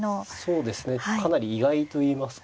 そうですねかなり意外といいますか。